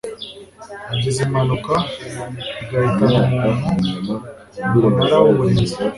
agize impanuka igahitana umuntu Umunara w Umurinzi